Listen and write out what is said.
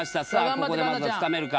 ここでまずは掴めるか？